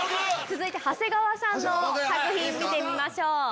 続いて長谷川さんの作品見てみましょう。